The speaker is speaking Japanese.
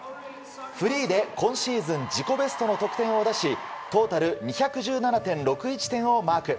フリーで今シーズン自己ベストの得点を出しトータル２１７．６１点をマーク。